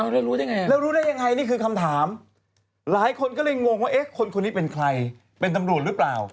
แล้วรู้ได้ไงแล้วรู้ได้ยังไงนี่คือคำถามหลายคนก็เลยงงว่าเอ๊ะคนคนนี้เป็นใครเป็นตำรวจหรือเปล่า